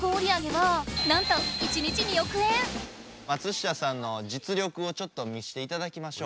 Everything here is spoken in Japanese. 松下さんの実力をちょっと見していただきましょう。